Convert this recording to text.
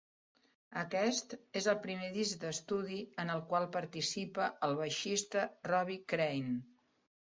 Aquest és el primer disc d"estudio en el qual participa el baixista Robbie Crane.